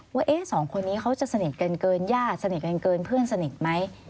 ว่าสองคนนี้เขาจะสนิทกันเกินญาติสนิทกันเกินเพื่อนสนิทไหม